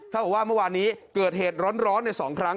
กับว่าเมื่อวานนี้เกิดเหตุร้อนใน๒ครั้ง